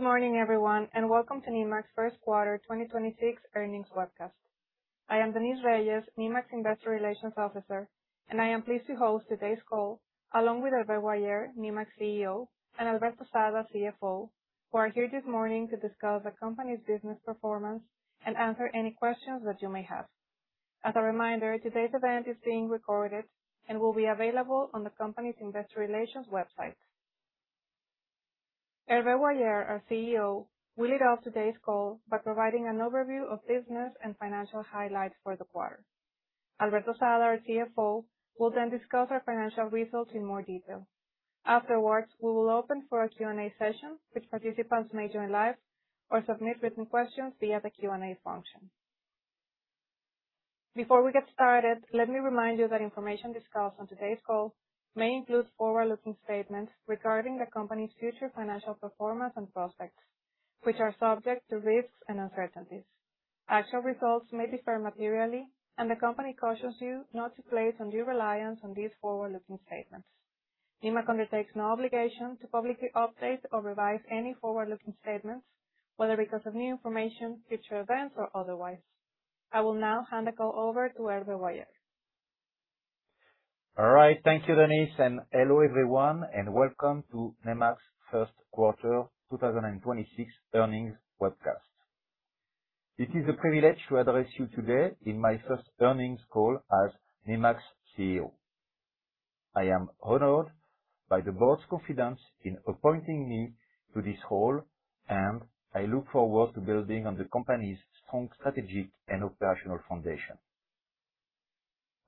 Good morning everyone, and welcome to Nemak's first quarter 2026 earnings webcast. I am Denise Reyes, Nemak's Investor Relations Officer, and I am pleased to host today's call along with Hervé Boyer, Nemak's CEO, and Alberto Sada, CFO, who are here this morning to discuss the company's business performance and answer any questions that you may have. As a reminder, today's event is being recorded and will be available on the company's Investor Relations website. Hervé Boyer, our CEO, will lead off today's call by providing an overview of business and financial highlights for the quarter. Alberto Sada, our CFO, will then discuss our financial results in more detail. Afterwards, we will open for a Q&A session, which participants may join live or submit written questions via the Q&A function. Before we get started, let me remind you that information discussed on today's call may include forward-looking statements regarding the company's future financial performance and prospects, which are subject to risks and uncertainties. Actual results may differ materially, and the company cautions you not to place undue reliance on these forward-looking statements. Nemak undertakes no obligation to publicly update or revise any forward-looking statements, whether because of new information, future events, or otherwise. I will now hand the call over to Hervé Boyer. All right. Thank you, Denise, and hello everyone, and welcome to Nemak's first quarter 2026 earnings webcast. It is a privilege to address you today in my first earnings call as Nemak's CEO. I am honored by the Board's confidence in appointing me to this role, and I look forward to building on the company's strong strategic and operational foundation.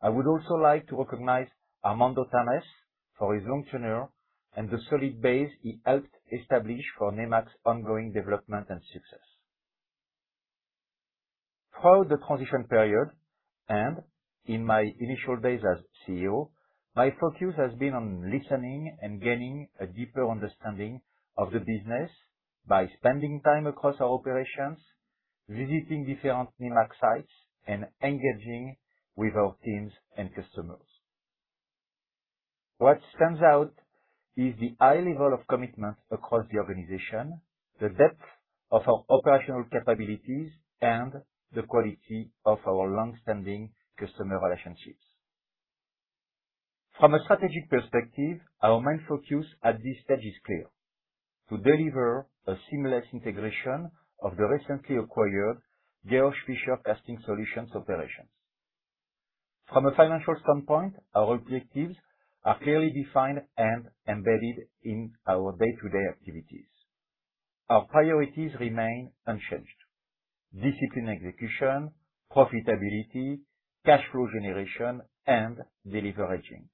I would also like to recognize Armando Tamez for his long tenure and the solid base he helped establish for Nemak's ongoing development and success. Throughout the transition period, and in my initial days as CEO, my focus has been on listening and gaining a deeper understanding of the business by spending time across our operations, visiting different Nemak sites, and engaging with our teams and customers. What stands out is the high level of commitment across the organization, the depth of our operational capabilities, and the quality of our longstanding customer relationships. From a strategic perspective, our main focus at this stage is clear: to deliver a seamless integration of the recently acquired Georg Fischer Casting Solutions operations. From a financial standpoint, our objectives are clearly defined and embedded in our day-to-day activities. Our priorities remain unchanged. Disciplined execution, profitability, cash flow generation, and deleveraging.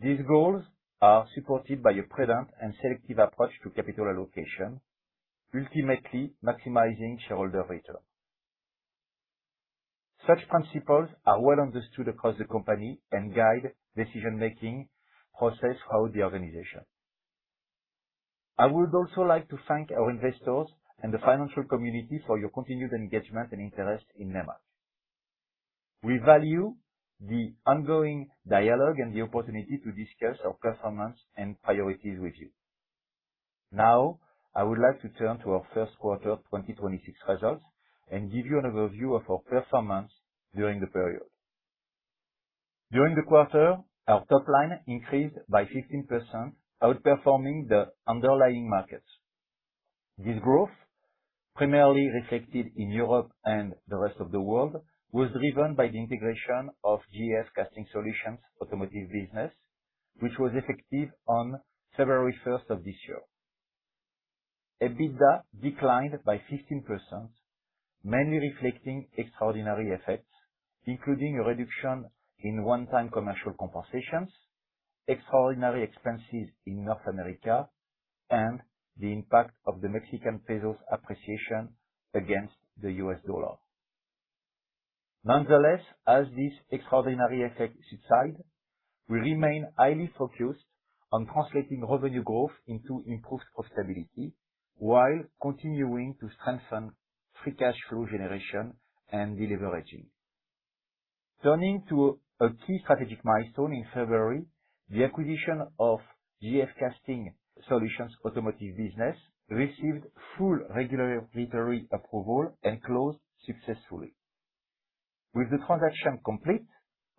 These goals are supported by a prudent and selective approach to capital allocation, ultimately maximizing shareholder return. Such principles are well understood across the company and guide decision-making process throughout the organization. I would also like to thank our investors and the financial community for your continued engagement and interest in Nemak. We value the ongoing dialogue and the opportunity to discuss our performance and priorities with you. Now, I would like to turn to our first quarter 2026 results and give you an overview of our performance during the period. During the quarter, our top line increased by 15%, outperforming the underlying markets. This growth, primarily reflected in Europe and the rest of the world, was driven by the integration of GF Casting Solutions' automotive business, which was effective on February 1st of this year. EBITDA declined by 15%, mainly reflecting extraordinary effects, including a reduction in one-time commercial compensations, extraordinary expenses in North America, and the impact of the Mexican peso's appreciation against the U.S. dollar. Nonetheless, as these extraordinary effects subside, we remain highly focused on translating revenue growth into improved profitability, while continuing to strengthen free cash flow generation and deleveraging. Turning to a key strategic milestone in February, the acquisition of GF Casting Solutions' automotive business received full regulatory approval and closed successfully. With the transaction complete,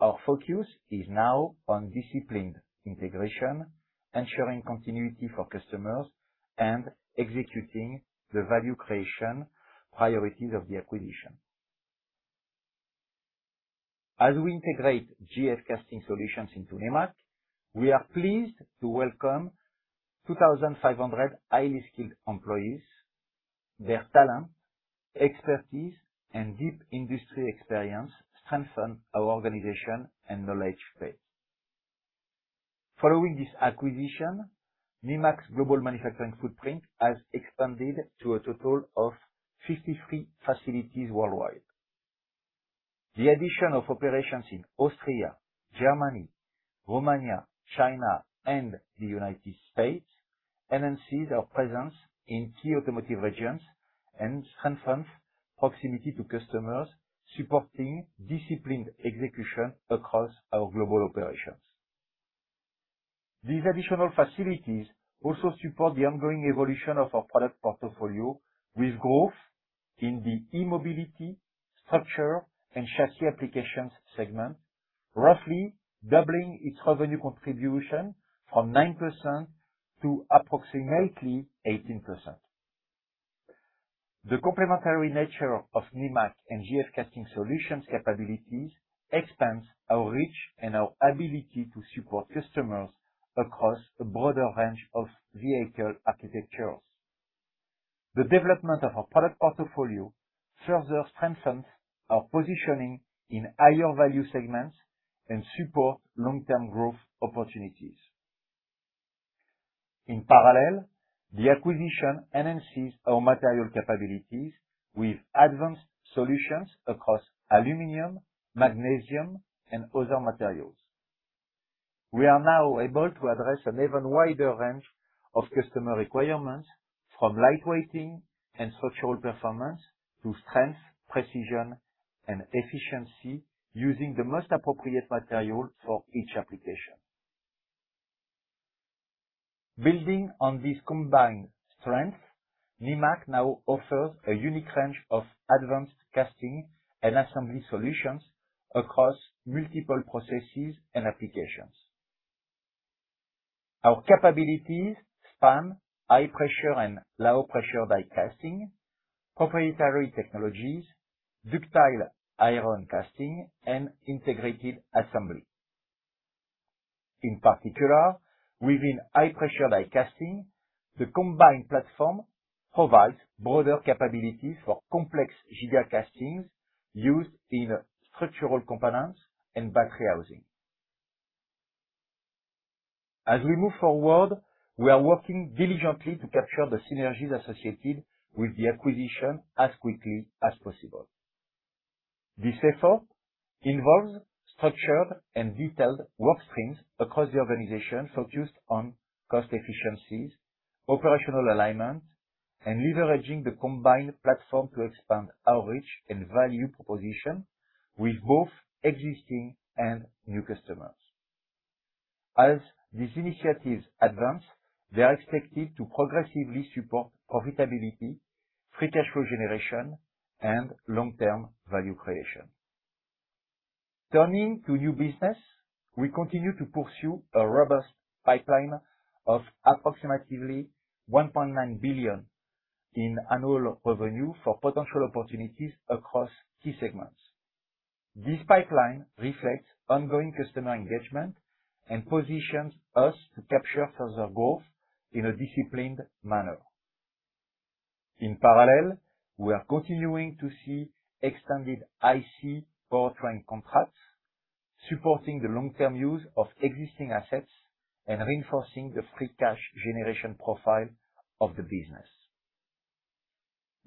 our focus is now on disciplined integration, ensuring continuity for customers, and executing the value creation priorities of the acquisition. As we integrate GF Casting Solutions into Nemak, we are pleased to welcome 2,500 highly skilled employees. Their talent, expertise, and deep industry experience strengthen our organization and knowledge base. Following this acquisition, Nemak's global manufacturing footprint has expanded to a total of 53 facilities worldwide. The addition of operations in Austria, Germany, Romania, China, and the United States enhances our presence in key automotive regions and strengthens proximity to customers, supporting disciplined execution across our global operations. These additional facilities also support the ongoing evolution of our product portfolio, with growth in the e-mobility, structure & chassis applications segment, roughly doubling its revenue contribution from 9% to approximately 18%. The complementary nature of Nemak and GF Casting Solutions capabilities expands our reach and our ability to support customers across a broader range of vehicle architectures. The development of our product portfolio further strengthens our positioning in higher value segments and supports long-term growth opportunities. In parallel, the acquisition enhances our material capabilities with advanced solutions across aluminum, magnesium, and other materials. We are now able to address an even wider range of customer requirements, from lightweighting and structural performance to strength, precision, and efficiency, using the most appropriate material for each application. Building on this combined strength, Nemak now offers a unique range of advanced casting and assembly solutions across multiple processes and applications. Our capabilities span High Pressure and Low Pressure Die Casting, proprietary technologies, ductile iron casting, and integrated assembly. In particular, within High Pressure Die Casting, the combined platform provides broader capabilities for complex giga castings used in structural components and battery housing. As we move forward, we are working diligently to capture the synergies associated with the acquisition as quickly as possible. This effort involves structured and detailed work streams across the organization focused on cost efficiencies, operational alignment, and leveraging the combined platform to expand our reach and value proposition with both existing and new customers. As these initiatives advance, they are expected to progressively support profitability, free cash flow generation, and long-term value creation. Turning to new business, we continue to pursue a robust pipeline of approximately $1.9 billion in annual revenue for potential opportunities across key segments. This pipeline reflects ongoing customer engagement and positions us to capture further growth in a disciplined manner. In parallel, we are continuing to see extended ICE powertrain contracts, supporting the long-term use of existing assets and reinforcing the free cash generation profile of the business.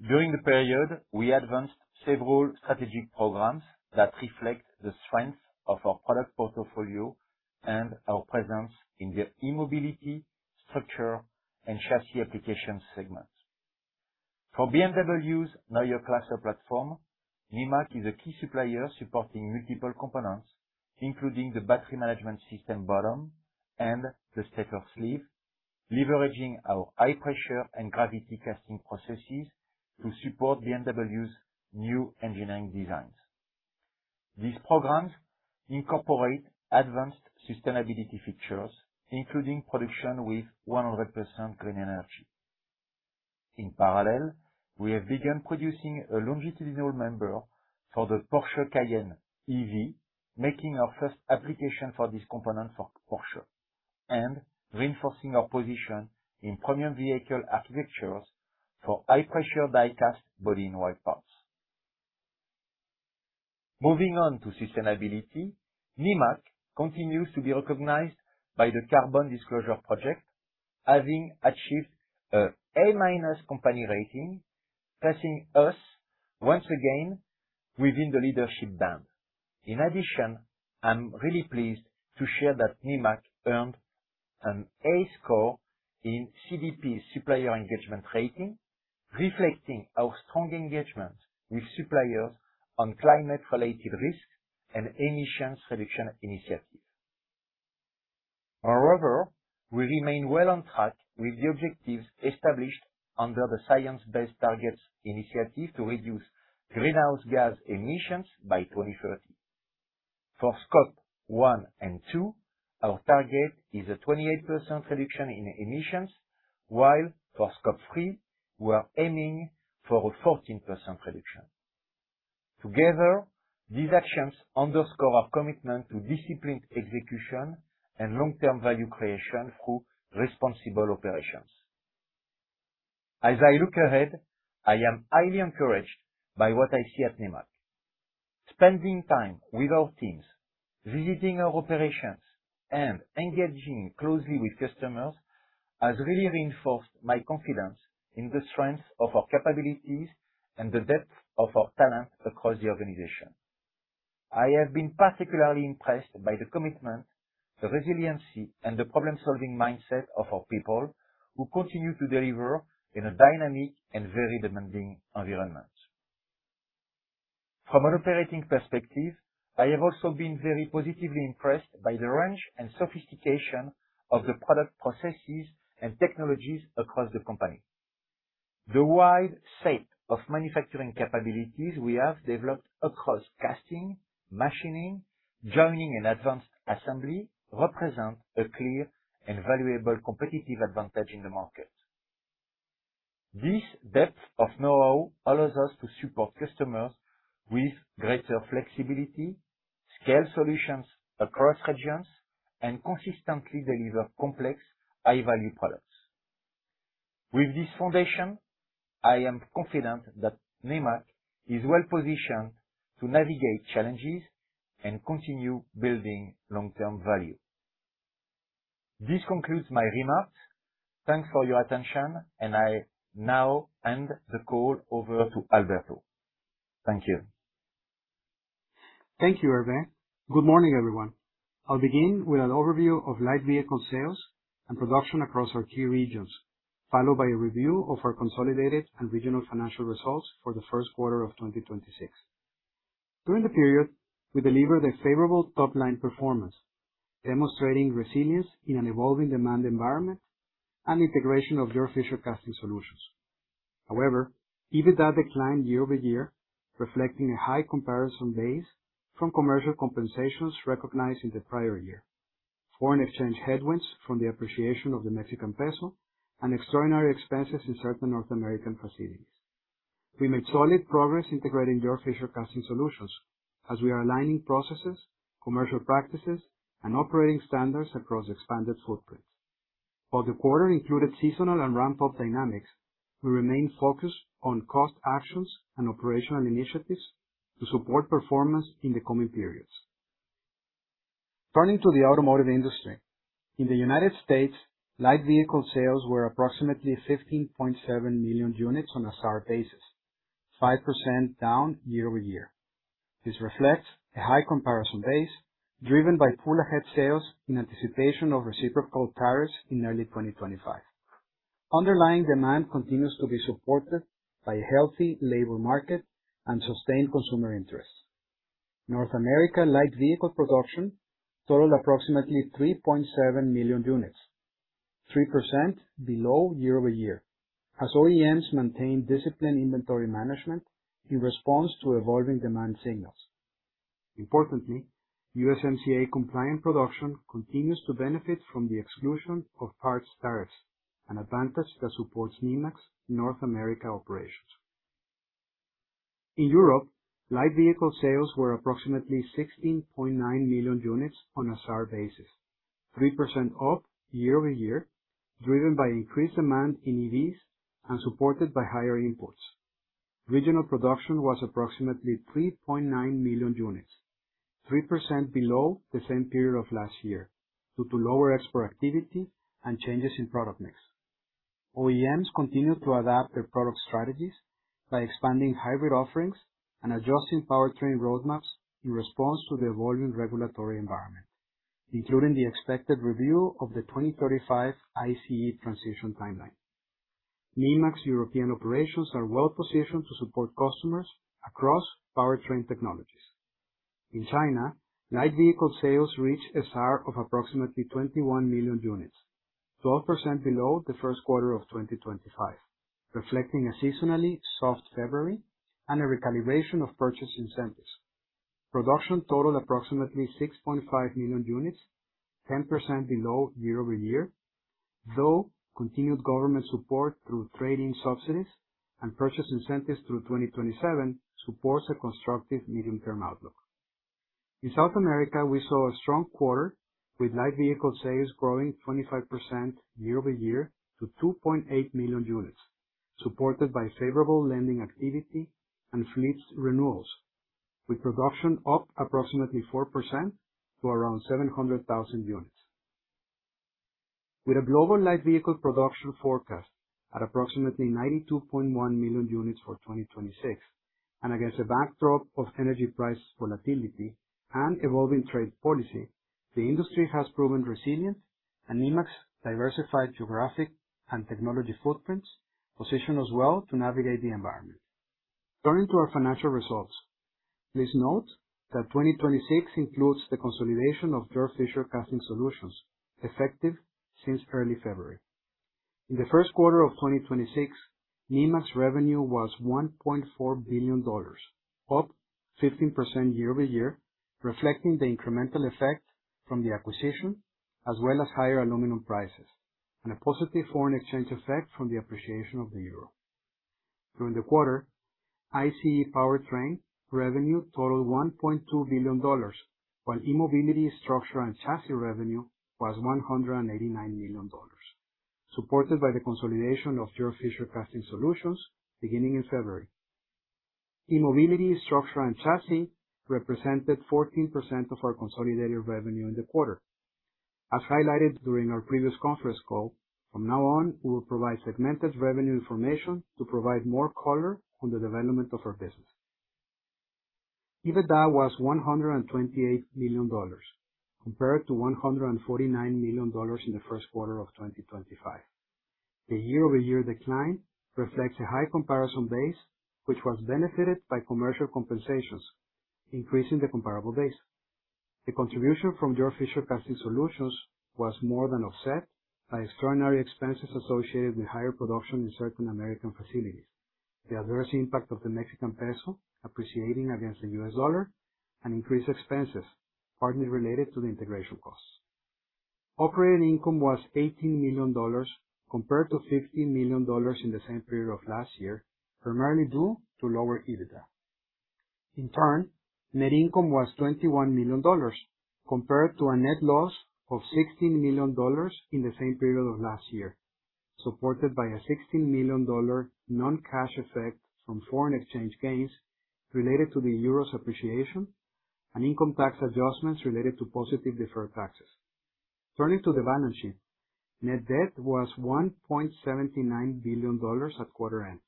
During the period, we advanced several strategic programs that reflect the strength of our product portfolio and our presence in the e-mobility, structure & chassis application segment. For BMW's Neue Klasse platform, Nemak is a key supplier supporting multiple components, including the battery management system bottom and the stator sleeve, leveraging our high-pressure and gravity casting processes to support BMW's new engineering designs. These programs incorporate advanced sustainability features, including production with 100% clean energy. In parallel, we have begun producing a longitudinal member for the Porsche Cayenne EV, making our first application for this component for Porsche, and reinforcing our position in premium vehicle architectures for High Pressure Die Cast body-in-white parts. Moving on to sustainability, Nemak continues to be recognized by the Carbon Disclosure Project, having achieved an A- company rating, placing us once again within the leadership band. In addition, I'm really pleased to share that Nemak earned an A score in CDP Supplier Engagement Rating, reflecting our strong engagement with suppliers on climate-related risk and emissions reduction initiatives. Moreover, we remain well on track with the objectives established under the Science Based Targets initiative to reduce greenhouse gas emissions by 2030. For Scope 1 and 2, our target is a 28% reduction in emissions, while for Scope 3, we're aiming for a 14% reduction. Together, these actions underscore our commitment to disciplined execution and long-term value creation through responsible operations. As I look ahead, I am highly encouraged by what I see at Nemak. Spending time with our teams, visiting our operations, and engaging closely with customers has really reinforced my confidence in the strength of our capabilities and the depth of our talent across the organization. I have been particularly impressed by the commitment, the resiliency, and the problem-solving mindset of our people, who continue to deliver in a dynamic and very demanding environment. From an operating perspective, I have also been very positively impressed by the range and sophistication of the product processes and technologies across the company. The wide set of manufacturing capabilities we have developed across casting, machining, joining, and advanced assembly represent a clear and valuable competitive advantage in the market. This depth of know-how allows us to support customers with greater flexibility, scale solutions across regions, and consistently deliver complex, high-value products. With this foundation, I am confident that Nemak is well-positioned to navigate challenges and continue building long-term value. This concludes my remarks. Thanks for your attention, and I now hand the call over to Alberto. Thank you. Thank you, Hervé. Good morning, everyone. I'll begin with an overview of light vehicle sales and production across our key regions, followed by a review of our consolidated and regional financial results for the first quarter of 2026. During the period, we delivered a favorable top-line performance, demonstrating resilience in an evolving demand environment and integration of Georg Fischer Casting Solutions. However, EBITDA declined year-over-year, reflecting a high comparison base from commercial compensations recognized in the prior year, foreign exchange headwinds from the appreciation of the Mexican peso, and extraordinary expenses in certain North American facilities. We made solid progress integrating Georg Fischer Casting Solutions as we are aligning processes, commercial practices, and operating standards across expanded footprints. While the quarter included seasonal and ramp-up dynamics, we remain focused on cost actions and operational initiatives to support performance in the coming periods. Turning to the automotive industry. In the United States, light vehicle sales were approximately 15.7 million units on a SAR basis, 5% down year-over-year. This reflects a high comparison base driven by pull-ahead sales in anticipation of reciprocal tariffs in early 2025. Underlying demand continues to be supported by a healthy labor market and sustained consumer interest. North America light vehicle production totaled approximately 3.7 million units, 3% below year-over-year, as OEMs maintain disciplined inventory management in response to evolving demand signals. Importantly, USMCA-compliant production continues to benefit from the exclusion of parts tariffs, an advantage that supports Nemak's North America operations. In Europe, light vehicle sales were approximately 16.9 million units on a SAR basis, 3% up year-over-year, driven by increased demand in EVs and supported by higher imports. Regional production was approximately 3.9 million units, 3% below the same period of last year due to lower export activity and changes in product mix. OEMs continue to adapt their product strategies by expanding hybrid offerings and adjusting powertrain roadmaps in response to the evolving regulatory environment, including the expected review of the 2035 ICE transition timeline. Nemak's European operations are well-positioned to support customers across powertrain technologies. In China, light vehicle sales reached a SAR of approximately 21 million units, 12% below the first quarter of 2025, reflecting a seasonally soft February and a recalibration of purchase incentives. Production totaled approximately 6.5 million units, 10% below year-over-year, though continued government support through trade-in subsidies and purchase incentives through 2027 supports a constructive medium-term outlook. In South America, we saw a strong quarter with light vehicle sales growing 25% year-over-year to 2.8 million units, supported by favorable lending activity and fleet renewals, with production up approximately 4% to around 700,000 units. With a global light vehicle production forecast at approximately 92.1 million units for 2026, and against a backdrop of energy price volatility and evolving trade policy, the industry has proven resilient, and Nemak's diversified geographic and technology footprints position us well to navigate the environment. Turning to our financial results. Please note that 2026 includes the consolidation of Georg Fischer Casting Solutions, effective since early February. In the first quarter of 2026, Nemak's revenue was $1.4 billion, up 15% year-over-year, reflecting the incremental effect from the acquisition as well as higher aluminum prices and a positive foreign exchange effect from the appreciation of the euro. During the quarter, ICE powertrain revenue totaled $1.2 billion, while e-mobility, structure & chassis revenue was $189 million, supported by the consolidation of Georg Fischer Casting Solutions beginning in February. e-mobility, structure & chassis represented 14% of our consolidated revenue in the quarter. As highlighted during our previous conference call, from now on, we will provide segmented revenue information to provide more color on the development of our business. EBITDA was $128 million, compared to $149 million in the first quarter of 2025. The year-over-year decline reflects a high comparison base, which was benefited by commercial compensations, increasing the comparable base. The contribution from Georg Fischer Casting Solutions was more than offset by extraordinary expenses associated with higher production in certain American facilities, the adverse impact of the Mexican peso appreciating against the U.S. dollar, and increased expenses partly related to the integration costs. Operating income was $18 million compared to $15 million in the same period of last year, primarily due to lower EBITDA. In turn, net income was $21 million compared to a net loss of $16 million in the same period of last year, supported by a $16 million non-cash effect from foreign exchange gains related to the euro's appreciation and income tax adjustments related to positive deferred taxes. Turning to the balance sheet, net debt was $1.79 billion at quarter end,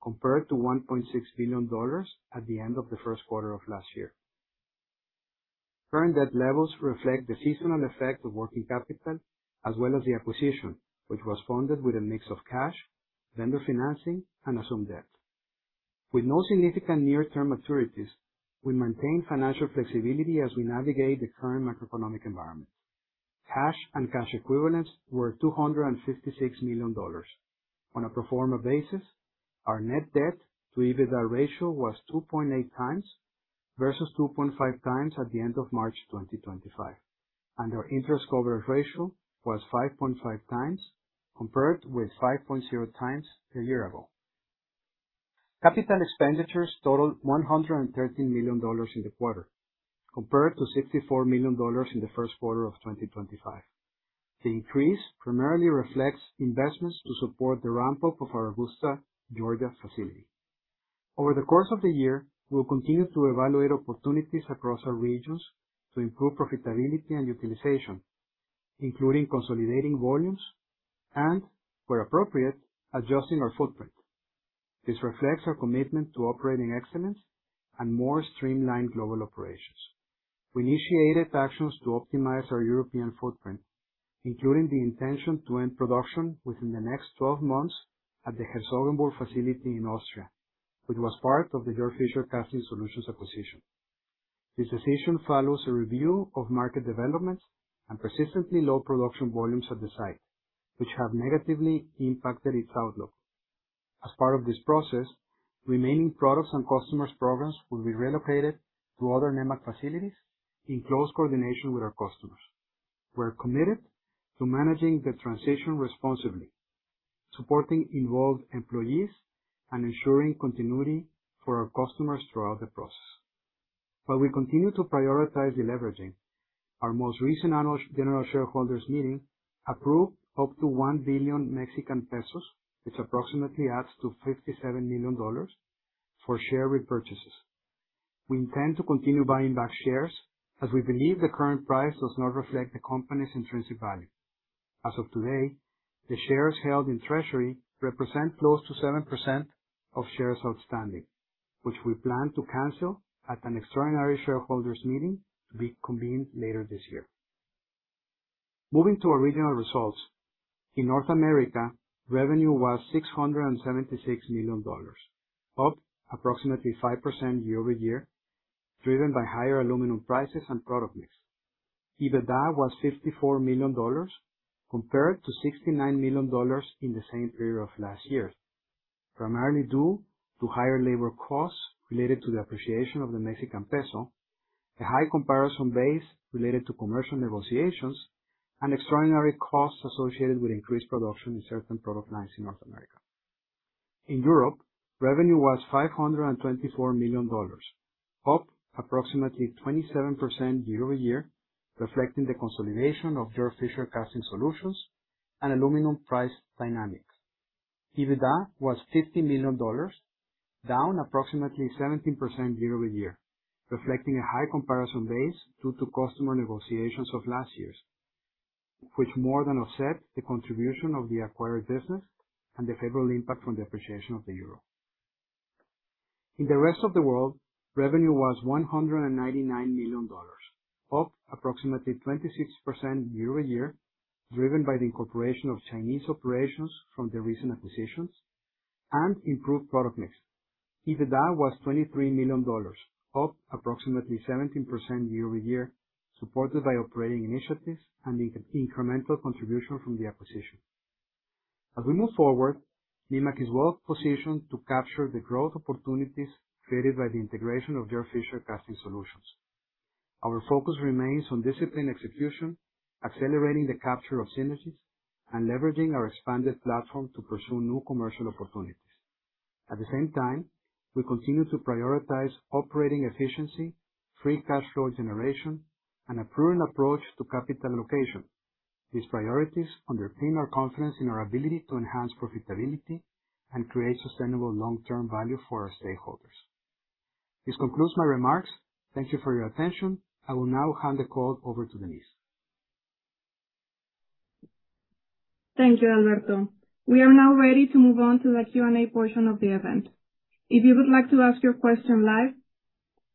compared to $1.6 billion at the end of the first quarter of last year. Current debt levels reflect the seasonal effect of working capital as well as the acquisition, which was funded with a mix of cash, vendor financing, and assumed debt. With no significant near-term maturities, we maintain financial flexibility as we navigate the current macroeconomic environment. Cash and cash equivalents were $256 million. On a pro forma basis, our net debt to EBITDA ratio was 2.8x versus 2.5x at the end of March 2025, and our interest coverage ratio was 5.5x, compared with 5.0x a year ago. Capital expenditures totaled $113 million in the quarter, compared to $64 million in the first quarter of 2025. The increase primarily reflects investments to support the ramp-up of our Augusta, Georgia facility. Over the course of the year, we will continue to evaluate opportunities across our regions to improve profitability and utilization, including consolidating volumes and, where appropriate, adjusting our footprint. This reflects our commitment to operating excellence and more streamlined global operations. We initiated actions to optimize our European footprint, including the intention to end production within the next 12 months at the Herzogenburg facility in Austria, which was part of the Georg Fischer Casting Solutions acquisition. This decision follows a review of market developments and persistently low production volumes at the site, which have negatively impacted its outlook. As part of this process, remaining products and customers' programs will be relocated to other Nemak facilities in close coordination with our customers. We are committed to managing the transition responsibly, supporting involved employees, and ensuring continuity for our customers throughout the process. While we continue to prioritize deleveraging, our most recent annual general shareholders meeting approved up to 1 billion Mexican pesos, which approximately adds to $57 million for share repurchases. We intend to continue buying back shares as we believe the current price does not reflect the company's intrinsic value. As of today, the shares held in treasury represent close to 7% of shares outstanding, which we plan to cancel at an extraordinary shareholders meeting to be convened later this year. Moving to our regional results. In North America, revenue was $676 million, up approximately 5% year-over-year, driven by higher aluminum prices and product mix. EBITDA was $54 million compared to $69 million in the same period of last year, primarily due to higher labor costs related to the appreciation of the Mexican peso, the high comparison base related to commercial negotiations, and extraordinary costs associated with increased production in certain product lines in North America. In Europe, revenue was $524 million, up approximately 27% year-over-year, reflecting the consolidation of Georg Fischer Casting Solutions and aluminum price dynamics. EBITDA was $50 million, down approximately 17% year-over-year, reflecting a high comparison base due to customer negotiations of last year's, which more than offset the contribution of the acquired business and the favorable impact from depreciation of the euro. In the rest of the world, revenue was $199 million, up approximately 26% year-over-year, driven by the incorporation of Chinese operations from the recent acquisitions and improved product mix. EBITDA was $23 million, up approximately 17% year-over-year, supported by operating initiatives and the incremental contribution from the acquisition. As we move forward, Nemak is well positioned to capture the growth opportunities created by the integration of Georg Fischer Casting Solutions. Our focus remains on disciplined execution, accelerating the capture of synergies, and leveraging our expanded platform to pursue new commercial opportunities. At the same time, we continue to prioritize operating efficiency, free cash flow generation, and a prudent approach to capital allocation. These priorities underpin our confidence in our ability to enhance profitability and create sustainable long-term value for our stakeholders. This concludes my remarks. Thank you for your attention. I will now hand the call over to Denise. Thank you, Alberto. We are now ready to move on to the Q&A portion of the event. If you would like to ask your question live.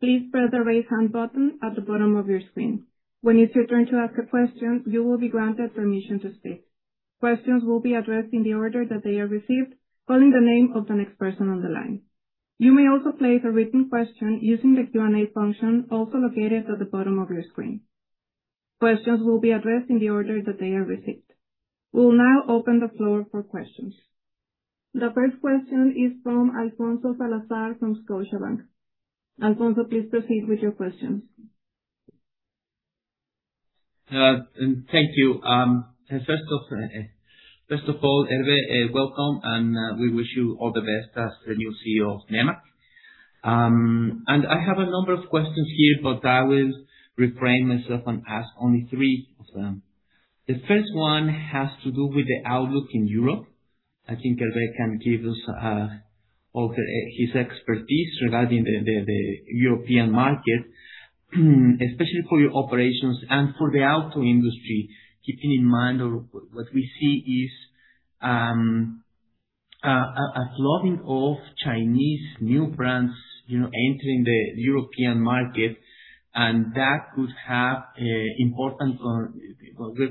Please press the Raise Hand button at the bottom of your screen. When it's your turn to ask a question, you will be granted permission to speak. Questions will be addressed in the order that they are received, calling the name of the next person on the line. You may also place a written question using the Q&A function, also located at the bottom of your screen. Questions will be addressed in the order that they are received. We'll now open the floor for questions. The first question is from Alfonso Salazar from Scotiabank. Alfonso, please proceed with your questions. Thank you. First of all, Hervé, welcome, and we wish you all the best as the new CEO of Nemak. I have a number of questions here, but I will refrain myself and ask only three of them. The first one has to do with the outlook in Europe. I think Hervé can give us his expertise regarding the European market, especially for your operations and for the auto industry, keeping in mind what we see is a flooding of Chinese new brands entering the European market, and that could have important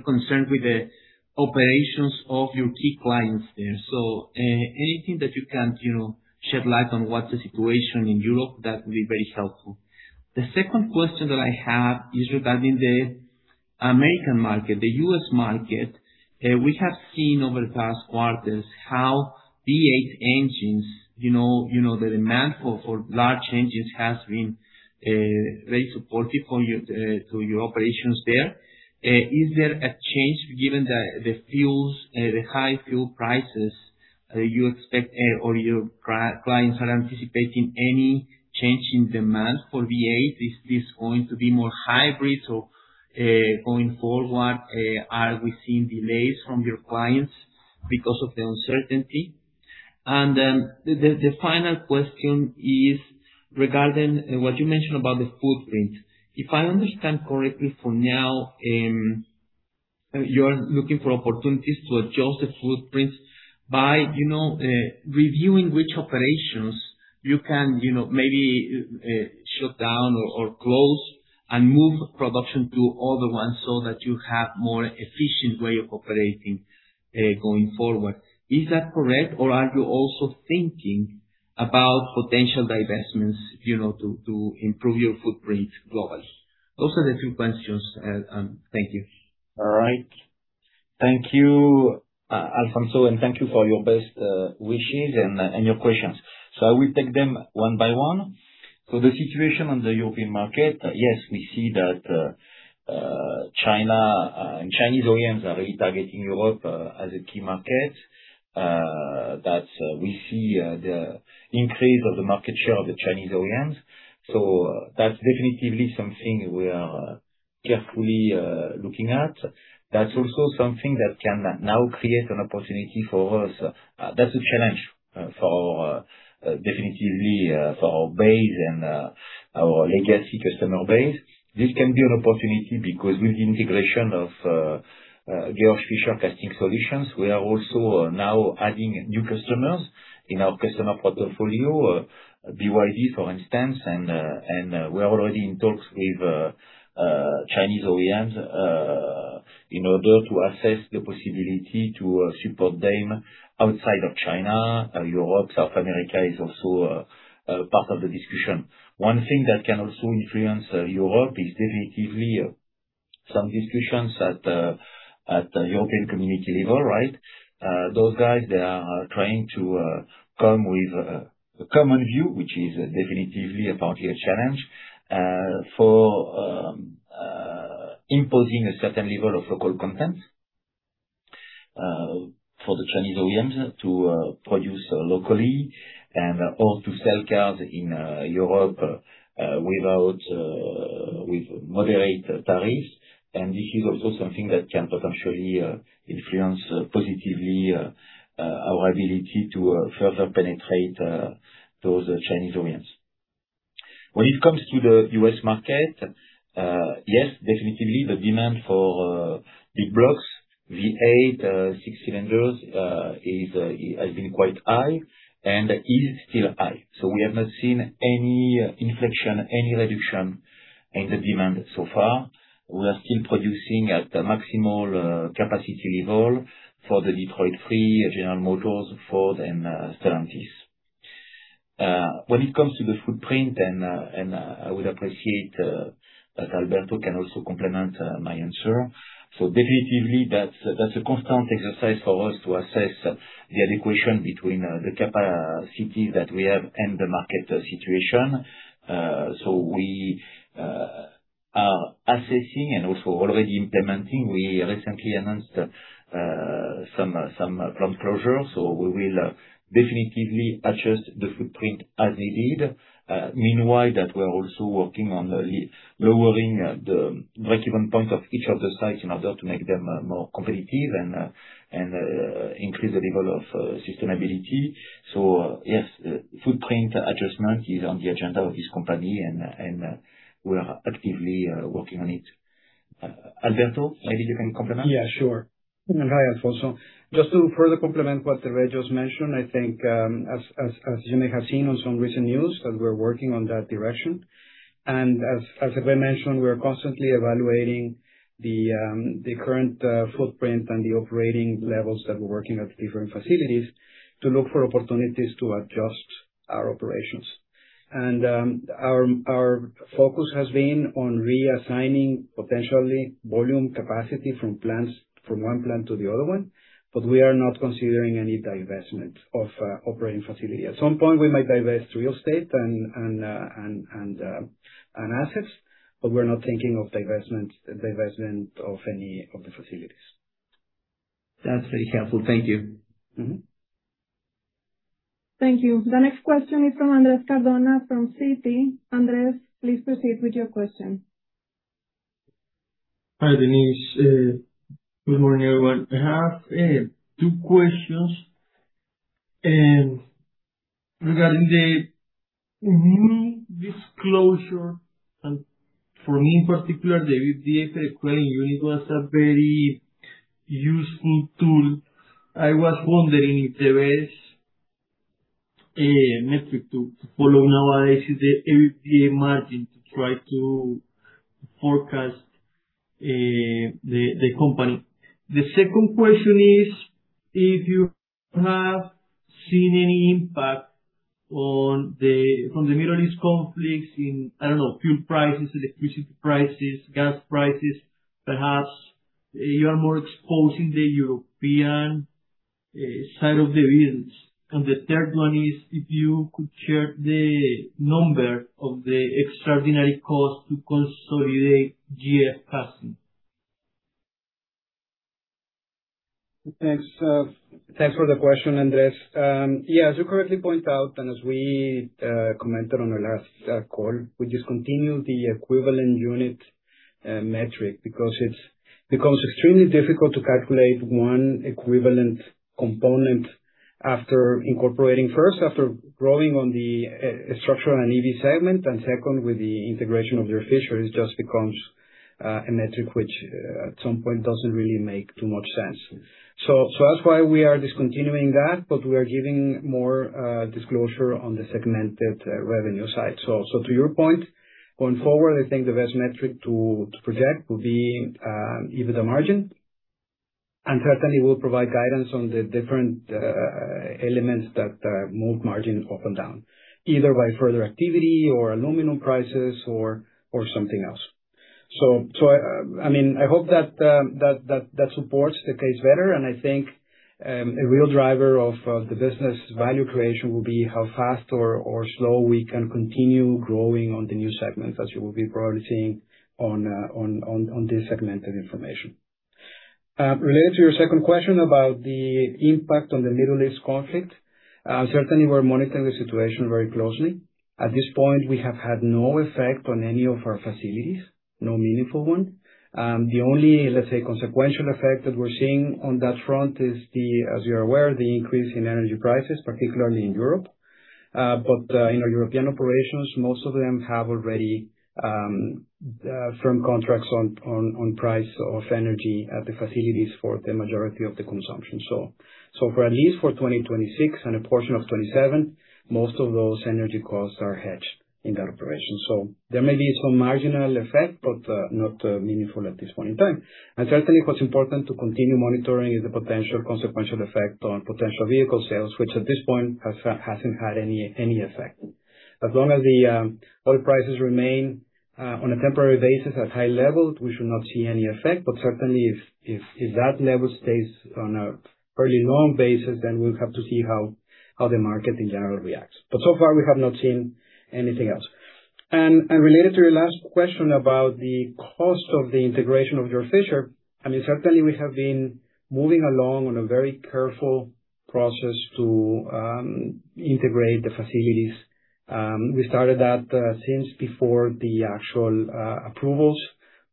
concerns with the operations of your key clients there. Anything that you can shed light on what's the situation in Europe, that would be very helpful. The second question that I have is regarding the American market, the U.S. market. We have seen over the past quarters how V8 engines, the demand for large engines, has been very supportive to your operations there. Is there a change, given the high fuel prices? Do you expect, or your clients are anticipating any change in demand for V8? Is this going to be more hybrid, or, going forward, are we seeing delays from your clients because of the uncertainty? The final question is regarding what you mentioned about the footprint. If I understand correctly, for now, you're looking for opportunities to adjust the footprint by reviewing which operations you can maybe shut down or close and move production to other ones so that you have a more efficient way of operating going forward. Is that correct, or are you also thinking about potential divestments to improve your footprint globally? Those are the three questions. Thank you. All right. Thank you, Alfonso, and thank you for your best wishes and your questions. I will take them one by one. For the situation on the European market, yes, we see that China and Chinese OEMs are really targeting Europe as a key market. We see the increase of the market share of the Chinese OEMs. That's definitely something we are carefully looking at. That's also something that can now create an opportunity for us. That's a challenge definitely for our base and our legacy customer base. This can be an opportunity because with the integration of Georg Fischer Casting Solutions, we are also now adding new customers in our customer portfolio, BYD, for instance, and we're already in talks with Chinese OEMs in order to assess the possibility to support them outside of China. Europe, South America is also a part of the discussion. One thing that can also influence Europe is definitely some discussions at the European community level, right? Those guys, they are trying to come with a common view, which is definitely a challenge for imposing a certain level of local content for the Chinese OEMs to produce locally and/or to sell cars in Europe with moderate tariffs. This is also something that can potentially influence positively our ability to further penetrate those Chinese OEMs. When it comes to the U.S. market, yes, definitely the demand for big blocks, V8, six cylinders, has been quite high and is still high. We have not seen any inflection, any reduction in the demand so far. We are still producing at the maximal capacity level for the Detroit 3, General Motors, Ford, and Stellantis. When it comes to the footprint, I would appreciate if Alberto can also complement my answer. Definitely that's a constant exercise for us to assess the allocation between the capacities that we have and the market situation. We are assessing and also already implementing. We recently announced some plant closures. We will definitely adjust the footprint as needed. Meanwhile, we are also working on lowering the break-even point of each of the sites in order to make them more competitive and increase the level of sustainability. Yes, footprint adjustment is on the agenda of this company, and we are actively working on it. Alberto, maybe you can complement? Yeah, sure. Hi, Alfonso. Just to further complement what Hervé just mentioned, I think as you may have seen on some recent news, that we're working on that direction. As Hervé mentioned, we are constantly evaluating the current footprint and the operating levels that we're working at the different facilities to look for opportunities to adjust our operations. Our focus has been on reassigning potentially volume capacity from one plant to the other one, but we are not considering any divestment of operating facility. At some point, we might divest real estate and assets, but we're not thinking of divestment of any of the facilities. That's very helpful. Thank you. Mm-hmm. Thank you. The next question is from Andrés Cardona from Citi. Andrés, please proceed with your question. Hi, Denise. Good morning, everyone. I have two questions regarding the new disclosure. For me, in particular, the EBITDA equivalent unit was a very useful tool. I was wondering if there is a metric to follow nowadays, the EBITDA margin, to try to forecast the company. The second question is if you have seen any impact from the Middle East conflicts in, I don't know, fuel prices, electricity prices, gas prices, perhaps you are more exposed in the European side of the business. The third one is if you could share the number of the extraordinary cost to consolidate GF Casting. Thanks for the question, Andrés. Yeah. As you correctly point out, and as we commented on our last call, we discontinued the equivalent unit metric because it becomes extremely difficult to calculate one equivalent component after incorporating first the growth on the structural and EV segment, and second, with the integration of Georg Fischer's, just becomes a metric which at some point doesn't really make too much sense. That's why we are discontinuing that. We are giving more disclosure on the segmented revenue side. To your point, going forward, I think the best metric to project will be EBITDA margin, and certainly we'll provide guidance on the different elements that move margin up and down, either by further activity or aluminum prices or something else. I hope that supports the case better. I think a real driver of the business value creation will be how fast or slow we can continue growing on the new segments, as you will be probably seeing on this segmented information. Related to your second question about the impact on the Middle East conflict, certainly we're monitoring the situation very closely. At this point, we have had no effect on any of our facilities, no meaningful one. The only, let's say, consequential effect that we're seeing on that front is the, as you're aware, the increase in energy prices, particularly in Europe. In our European operations, most of them have already firm contracts on price of energy at the facilities for the majority of the consumption. For at least 2026 and a portion of 2027, most of those energy costs are hedged in that operation. There may be some marginal effect, but not meaningful at this point in time. Certainly, what's important to continue monitoring is the potential consequential effect on potential vehicle sales, which at this point hasn't had any effect. As long as the oil prices remain on a temporary basis at high levels, we should not see any effect. Certainly if that level stays on a fairly long basis, then we'll have to see how the market in general reacts. So far, we have not seen anything else. Related to your last question about the cost of the integration of Georg Fischer, I mean, certainly we have been moving along on a very careful process to integrate the facilities. We started that since before the actual approvals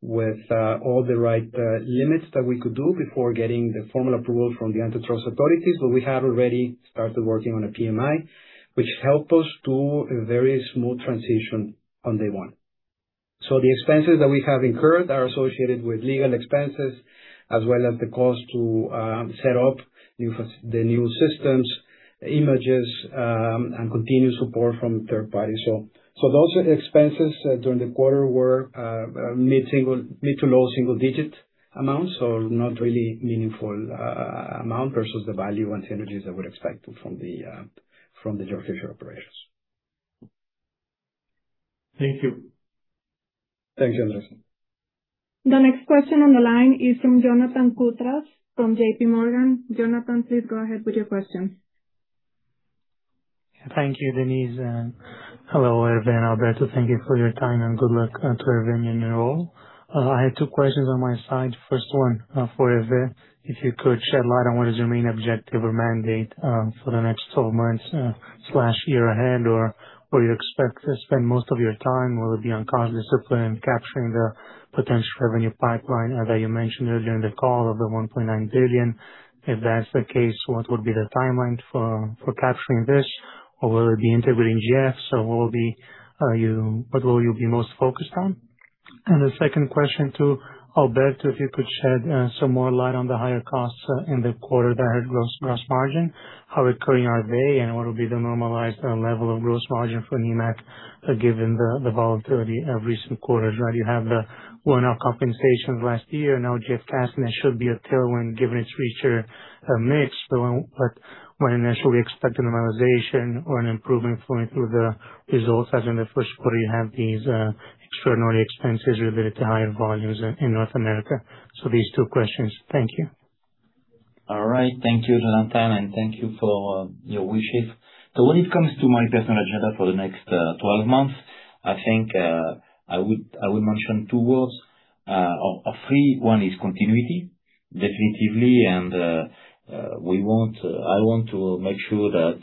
with all the right limits that we could do before getting the formal approval from the antitrust authorities. We have already started working on a PMI, which helped us do a very smooth transition on day one. The expenses that we have incurred are associated with legal expenses as well as the cost to set up the new systems, images, and continued support from third parties. Those expenses during the quarter were mid to low single digit amounts, so not really meaningful amount versus the value and synergies that we're expecting from the Georg Fischer operations. Thank you. Thanks, Andrés. The next question on the line is from Jonathan Koutras from JPMorgan. Jonathan, please go ahead with your question. Thank you, Denise, and hello, Hervé and Alberto. Thank you for your time and good luck to Hervé in your new role. I have two questions on my side. First one, for Hervé, if you could shed light on what is your main objective or mandate for the next 12 months/year ahead? Or where you expect to spend most of your time? Will it be on cost discipline, capturing the potential revenue pipeline, as you mentioned earlier in the call, of the $1.9 billion? If that's the case, what would be the timeline for capturing this? Or the integrating GF, so what will you be most focused on? The second question to Alberto, if you could shed some more light on the higher costs in the quarter that hit gross margin, how recurring are they, and what will be the normalized level of gross margin for Nemak, given the volatility of recent quarters. You have the one-off compensations last year, now GF Casting, that should be a tailwind given its richer mix. When should we expect a normalization or an improvement flowing through the results, as in the first quarter, you have these extraordinary expenses related to higher volumes in North America. These two questions. Thank you. All right. Thank you, Jonathan, and thank you for your wishes. When it comes to my personal agenda for the next 12 months, I think I would mention two words, or three. One is continuity, definitely, and I want to make sure that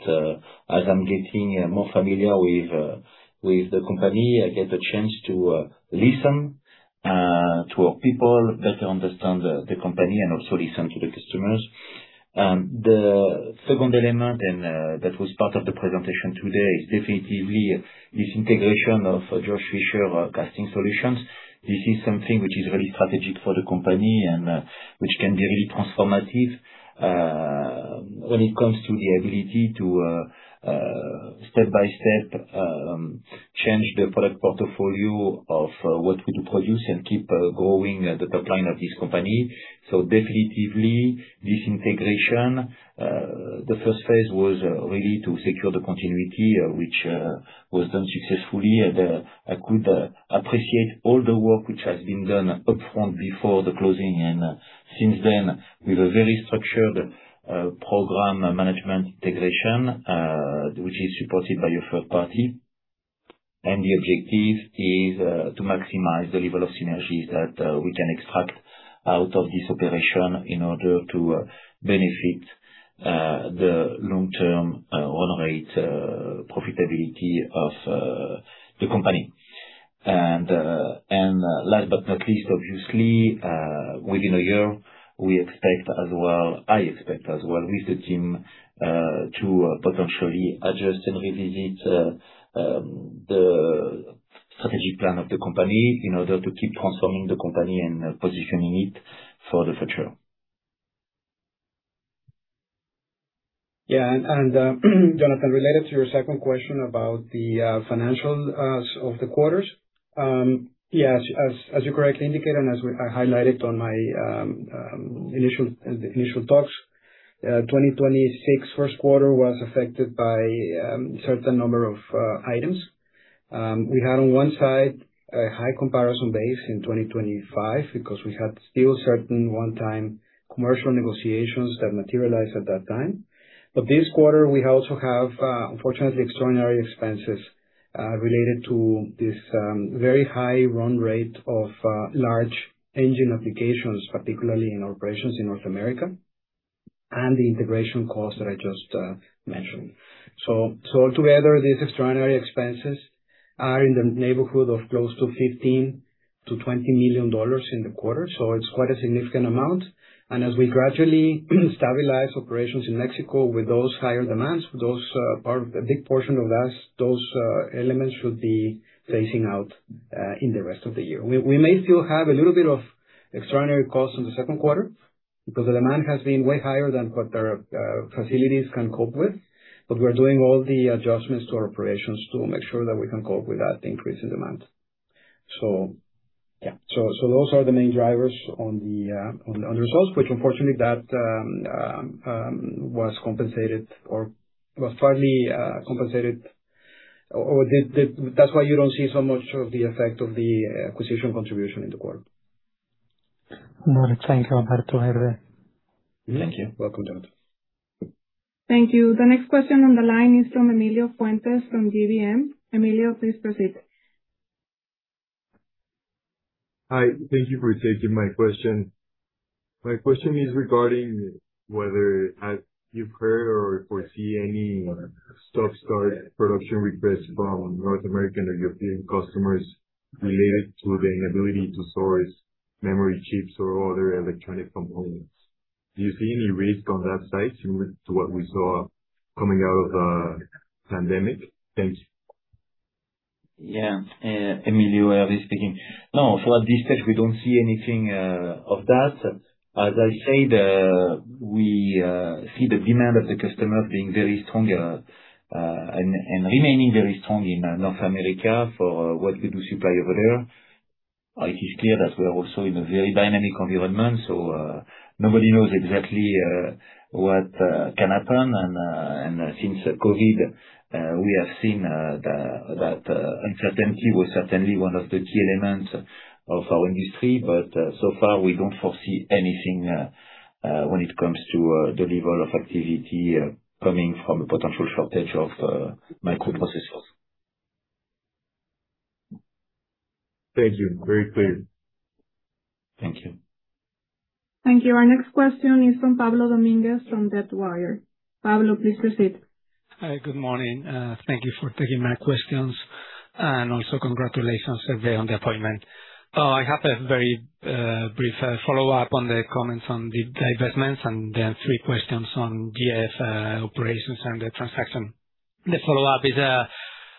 as I'm getting more familiar with the company, I get the chance to listen to our people, better understand the company, and also listen to the customers. The second element, and that was part of the presentation today, is definitely this integration of Georg Fischer Casting Solutions. This is something which is very strategic for the company and which can be really transformative, when it comes to the ability to, step-by-step, change the product portfolio of what we do produce and keep growing the top line of this company. Definitely, this integration, the first phase was really to secure the continuity, which was done successfully. I could appreciate all the work which has been done upfront before the closing and since then, with a very structured program management integration, which is supported by a third party. The objective is to maximize the level of synergies that we can extract out of this operation in order to benefit the long-term run rate profitability of the company. Last but not least, obviously, within a year, we expect as well, I expect as well with the team, to potentially adjust and revisit the strategy plan of the company in order to keep transforming the company and positioning it for the future. Yeah. Jonathan, related to your second question about the financials of the quarters. Yes, as you correctly indicated, and as I highlighted on my initial talks, 2026 first quarter was affected by a certain number of items. We had on one side, a high comparison base in 2025 because we had still certain one-time commercial negotiations that materialized at that time. This quarter, we also have, unfortunately, extraordinary expenses related to this very high run rate of large engine applications, particularly in operations in North America, and the integration costs that I just mentioned. Altogether, these extraordinary expenses are in the neighborhood of close to $15 million-$20 million in the quarter, so it's quite a significant amount. As we gradually stabilize operations in Mexico with those higher demands, a big portion of those elements should be phasing out in the rest of the year. We may still have a little bit of extraordinary costs in the second quarter because the demand has been way higher than what our facilities can cope with. We're doing all the adjustments to our operations to make sure that we can cope with that increase in demand. Those are the main drivers on the results, which unfortunately that was compensated or was fairly compensated, or that's why you don't see so much of the effect of the acquisition contribution in the quarter. All right. Thank you, Alberto. Thank you. Welcome, Jonathan. Thank you. The next question on the line is from Emilio Fuentes from GBM. Emilio, please proceed. Hi, thank you for taking my question. My question is regarding whether have you heard or foresee any stop-start production requests from North American or European customers related to the inability to source memory chips or other electronic components. Do you see any risk on that side similar to what we saw coming out of the pandemic? Thanks. Yeah. Emilio, Hervé speaking. No, for this stage, we don't see anything of that. As I said, we see the demand of the customer being very strong and remaining very strong in North America for what we do supply over there. It is clear that we are also in a very dynamic environment, so nobody knows exactly what can happen. Since COVID, we have seen that uncertainty was certainly one of the key elements of our industry. So far, we don't foresee anything, when it comes to the level of activity coming from a potential shortage of microprocessors. Thank you. Very clear. Thank you. Thank you. Our next question is from Pablo Dominguez from Debtwire. Pablo, please proceed. Hi. Good morning. Thank you for taking my questions. Also congratulations, Hervé, on the appointment. I have a very brief follow-up on the comments on the divestments and then three questions on GF operations and the transaction. The follow-up is,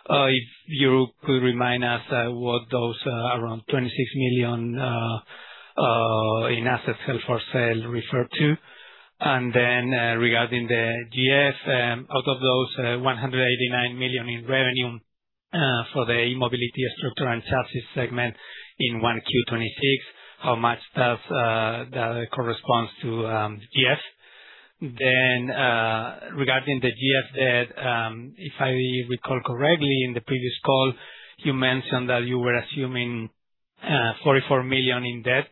if you could remind us what those around $26 million in assets held for sale refer to. Regarding the GF, out of those $189 million in revenue for the e-mobility, structural & chassis segment in 1Q 2026, how much of that corresponds to GF? Regarding the GF debt, if I recall correctly, in the previous call, you mentioned that you were assuming $44 million in debt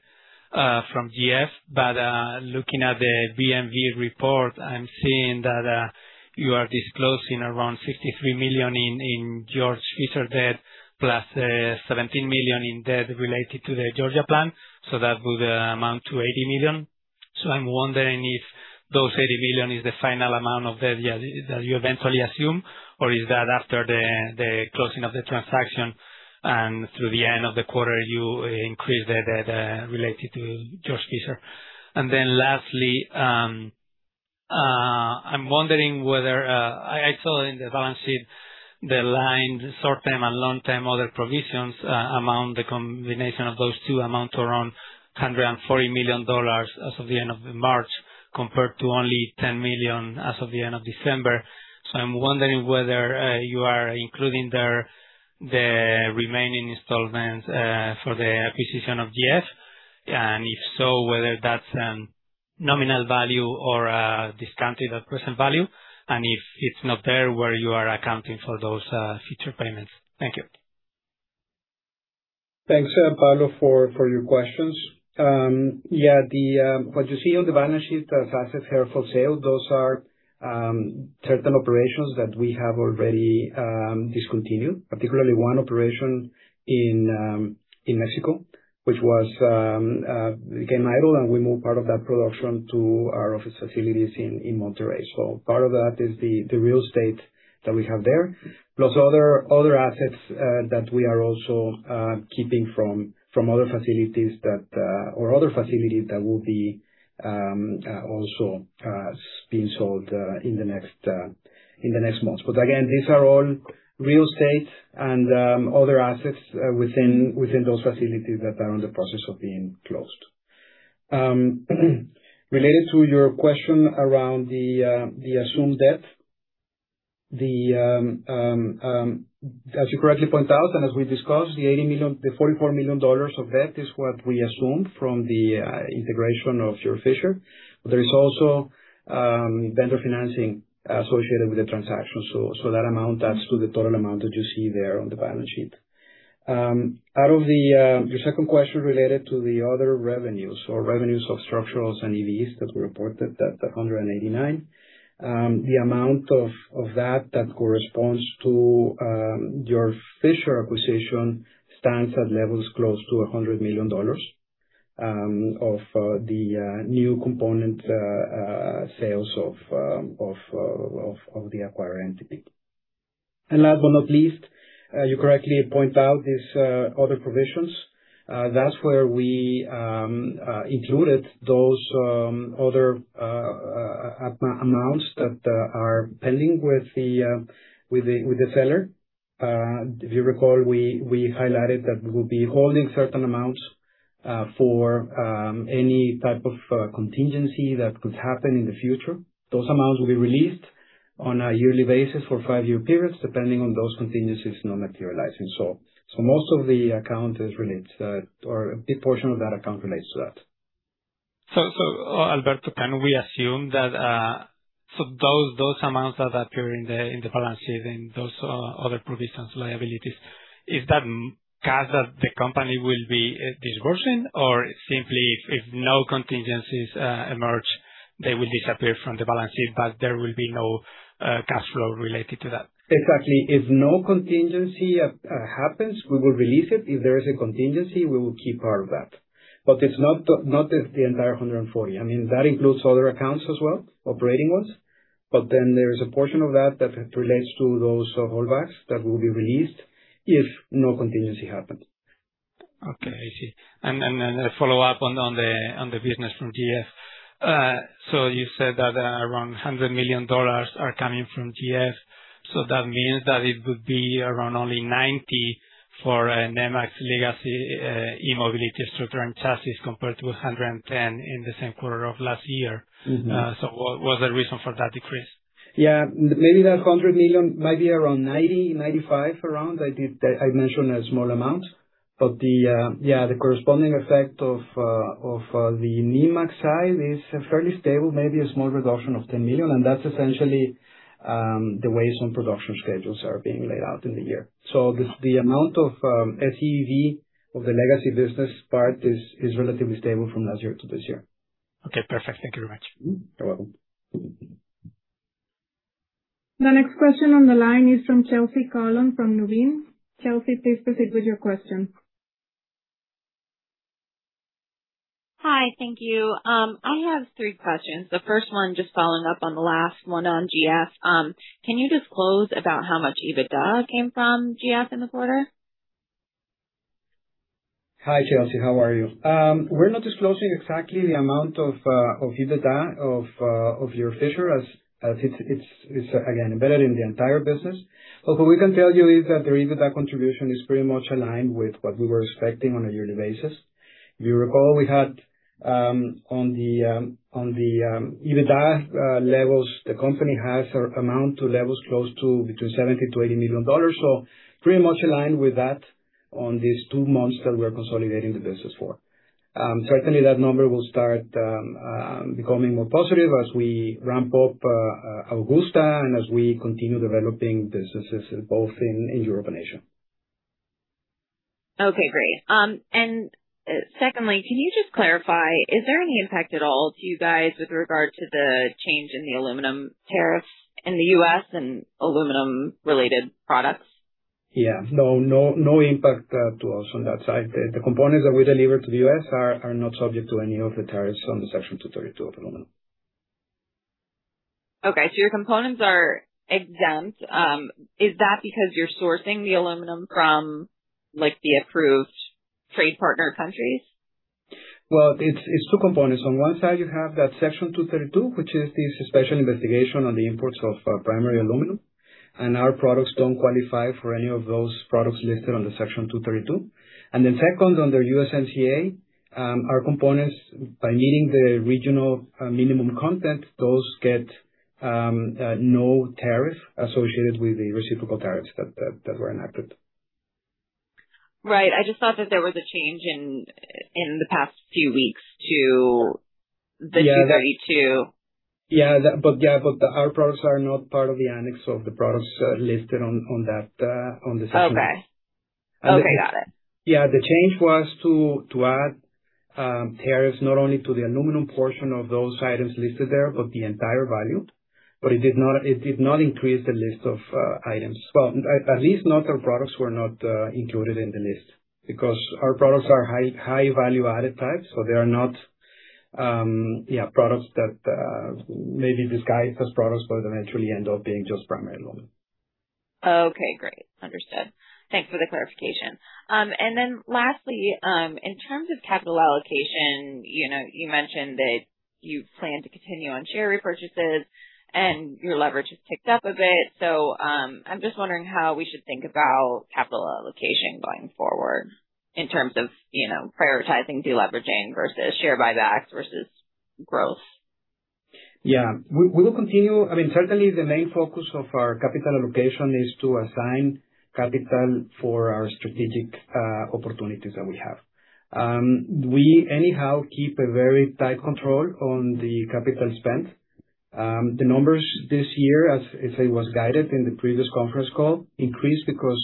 from GF. Looking at the BMV report, I'm seeing that you are disclosing around $53 million in Georg Fischer debt, plus $17 million in debt related to the Georgia plant. That would amount to $80 million. I'm wondering if those $80 million is the final amount of debt that you eventually assume, or is that after the closing of the transaction and through the end of the quarter, you increase the debt related to Georg Fischer? Lastly, I saw in the balance sheet the line short-term and long-term other provisions, the combination of those two amount to around $140 million as of the end of March, compared to only $10 million as of the end of December. I'm wondering whether you are including there the remaining installments for the acquisition of GF, and if so, whether that's nominal value or discounted at present value. If it's not there, where you are accounting for those future payments. Thank you. Thanks, Pablo, for your questions. Yeah. What you see on the balance sheet as assets held for sale, those are certain operations that we have already discontinued, particularly one operation in Mexico, which became idle, and we moved part of that production to our office facilities in Monterrey. Part of that is the real estate that we have there, plus other assets, that we are also keeping from other facilities that will be also being sold in the next months. Again, these are all real estate and other assets within those facilities that are in the process of being closed. Related to your question around the assumed debt, as you correctly point out and as we discussed, the $44 million of debt is what we assumed from the integration of Georg Fischer. There is also vendor financing associated with the transaction. That amount adds to the total amount that you see there on the balance sheet. Your second question related to the other revenues or revenues of structurals and EVs that we reported, that's $189 million. The amount of that that corresponds to Georg Fischer acquisition stands at levels close to $100 million of the new component sales of the acquiring entity. Last but not least, you correctly point out these other provisions. That's where we included those other amounts that are pending with the seller. If you recall, we highlighted that we'll be holding certain amounts for any type of contingency that could happen in the future. Those amounts will be released on a yearly basis for a five-year period, depending on those contingencies not materializing. A big portion of that account relates to that. Alberto, can we assume that those amounts that appear in the balance sheet and those other provisions, liabilities, is that cash that the company will be disbursing or simply if no contingencies emerge, they will disappear from the balance sheet, but there will be no cash flow related to that? Exactly. If no contingency happens, we will release it. If there is a contingency, we will keep part of that. It's not the entire $140 million. That includes other accounts as well, operating ones. Then there is a portion of that that relates to those holdbacks that will be released if no contingency happens. Okay. I see. A follow-up on the business from GF. You said that around $100 million are coming from GF. That means that it would be around only $90 for Nemak's legacy e-mobility, structure & chassis compared to $110 in the same quarter of last year. Mm-hmm. What was the reason for that decrease? Yeah. Maybe that $100 million might be around $90 million-$95 million. I mentioned a small amount, but the corresponding effect of the Nemak side is fairly stable, maybe a small reduction of $10 million, and that's essentially the way some production schedules are being laid out in the year. The amount of SEV of the legacy business part is relatively stable from last year to this year. Okay, perfect. Thank you very much. You're welcome. The next question on the line is from Chelsea Colón from Nuveen. Chelsea, please proceed with your question. Hi, thank you. I have three questions. The first one, just following up on the last one on GF. Can you disclose about how much EBITDA came from GF in the quarter? Hi, Chelsea. How are you? We're not disclosing exactly the amount of EBITDA of Georg Fischer as it's, again, embedded in the entire business. What we can tell you is that their EBITDA contribution is pretty much aligned with what we were expecting on a yearly basis. If you recall, we had on the EBITDA levels, the company has amount to levels close to between $70 million-$80 million. Pretty much aligned with that on these two months that we're consolidating the business for. Certainly, that number will start becoming more positive as we ramp up Augusta and as we continue developing businesses both in Europe and Asia. Okay, great. Secondly, can you just clarify, is there any impact at all to you guys with regard to the change in the aluminum tariffs in the U.S. and aluminum related products? Yeah. No impact to us on that side. The components that we deliver to the U.S. are not subject to any of the tariffs under Section 232 on aluminum. Okay. Your components are exempt. Is that because you're sourcing the aluminum from the approved trade partner countries? Well, it's two components. On one side, you have that Section 232, which is the special investigation on the imports of primary aluminum, and our products don't qualify for any of those products listed under Section 232. Second, under USMCA, our components by meeting the regional minimum content, those get no tariff associated with the reciprocal tariffs that were enacted. Right. I just thought that there was a change in the past few weeks to the Section 232. Yeah. Our products are not part of the annex of the products listed on the section. Okay. Got it. Yeah. The change was to add tariffs not only to the aluminum portion of those items listed there, but the entire value. It did not increase the list of items. Well, at least our products were not included in the list because our products are high value-added type. They are not products that may be disguised as products, but eventually end up being just primary aluminum. Okay, great. Understood. Thanks for the clarification. lastly, in terms of capital allocation, you mentioned that you plan to continue on share repurchases and your leverage has ticked up a bit. I'm just wondering how we should think about capital allocation going forward in terms of prioritizing de-leveraging versus share buybacks versus growth. Yeah. We will continue. Certainly, the main focus of our capital allocation is to assign capital for our strategic opportunities that we have. We anyhow keep a very tight control on the capital spend. The numbers this year, as it was guided in the previous conference call, increased because